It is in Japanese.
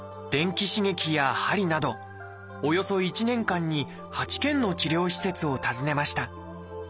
電気刺激やはりなどおよそ１年間に８軒の治療施設を訪ねました。